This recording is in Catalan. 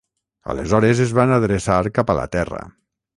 Aleshores es van adreçar cap a la Terra.